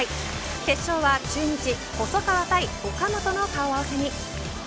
決勝は中日細川対岡本の顔合わせに。